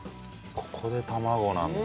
ここで卵なんだ。